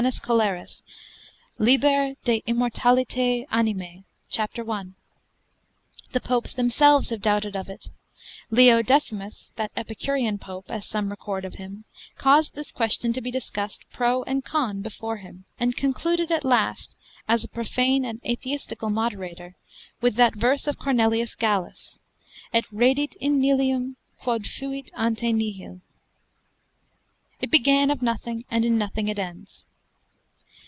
Colerus, lib. de immort. animae, cap. 1. The popes themselves have doubted of it: Leo Decimus, that Epicurean pope, as some record of him, caused this question to be discussed pro and con before him, and concluded at last, as a profane and atheistical moderator, with that verse of Cornelius Gallus, Et redit in nihilum, quod fuit ante nihil. It began of nothing, and in nothing it ends.